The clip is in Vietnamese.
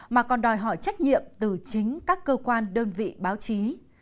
mà còn đòi hỏi trách nhiệm từ chính các cơ quan đơn vị báo chí